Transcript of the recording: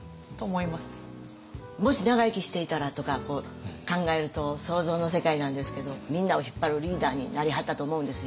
もし長生きしていたらとか考えると想像の世界なんですけどみんなを引っ張るリーダーになりはったと思うんですよ。